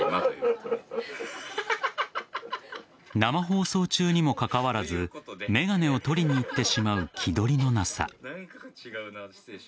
生放送中にもかかわらず眼鏡を取りに行ってしまう気取りのなさ。